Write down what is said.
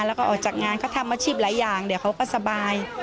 แล้วก็ออกจากงานเขาทำอาชีพหลายอย่างเดี๋ยวเขาก็สบาย